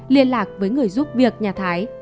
liên lạc với người giúp việc nhà thái